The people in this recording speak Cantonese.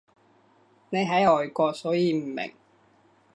你喺外國所以唔明